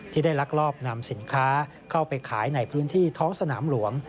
ได้ลักลอบนำสินค้าเข้าไปขายในพื้นที่ท้องสนามหลวง